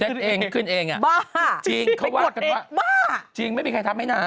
เซ็ตเองขึ้นเองอ่ะจริงเขาว่าจริงไม่มีใครทำให้น้า